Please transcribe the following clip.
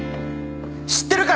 知ってるから！